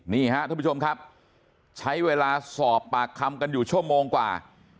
นี่ฮะท่านผู้ชมครับใช้เวลาสอบปากคำกันอยู่ชั่วโมงกว่า